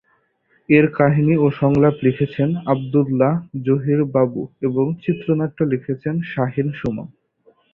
এর কাহিনি ও সংলাপ লিখেছেন আবদুল্লাহ জহির বাবু এবং চিত্রনাট্য লিখেছেন শাহীন-সুমন।